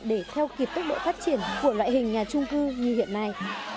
để theo kịp tốc độ phát triển của loại hình nhà trung cư như hiện nay